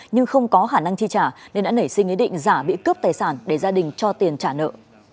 nhưng không có khả năng chi trả nên đã nảy sinh ý định giả bị cướp tài sản để gia đình cho tiền trả nợ